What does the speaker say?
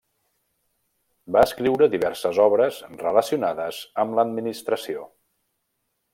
Va escriure diverses obres relacionades amb l'administració.